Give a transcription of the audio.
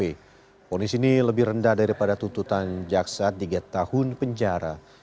ponis ini lebih rendah daripada tuntutan jaksa tiga tahun penjara